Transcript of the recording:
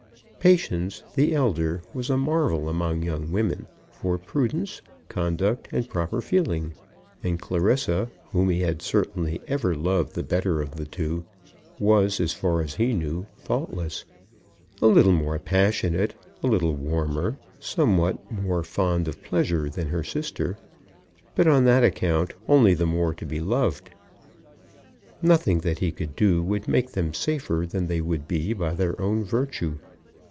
Patience, the elder, was a marvel among young women for prudence, conduct, and proper feeling; and Clarissa, whom he had certainly ever loved the better of the two, was as far as he knew faultless; a little more passionate, a little warmer, somewhat more fond of pleasure than her sister; but on that account only the more to be loved. Nothing that he could do would make them safer than they would be by their own virtue.